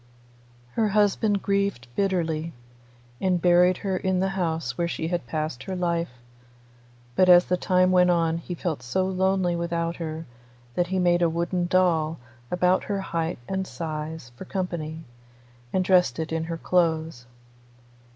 Her husband grieved bitterly, and buried her in the house where she had passed her life; but as the time went on he felt so lonely without her that he made a wooden doll about her height and size for company, and dressed it in her clothes.